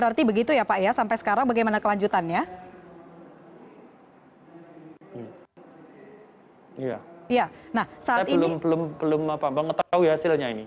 pertanyaan yang saya ingin tahu adalah apa hasilnya